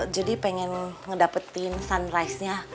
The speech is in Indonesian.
jadi pengen ngedapetin sunrise nya